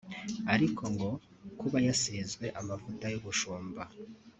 ariko ngo kuba yasizwe amavuta y’ubushumba